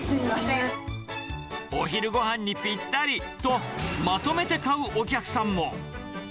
お昼ごはんにぴったりと、まとめて買うお客さんも。